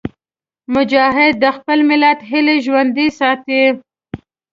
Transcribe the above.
مجاهد د خپل ملت هیلې ژوندي ساتي.